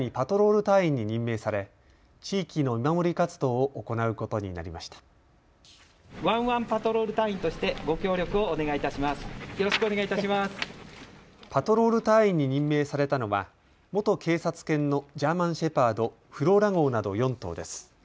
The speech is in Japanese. パトロール隊員に任命されたのは元警察犬のジャーマンシェパード、フローラ号など４頭です。